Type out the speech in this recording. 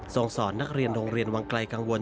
สอนสอนนักเรียนโรงเรียนวังไกลกังวล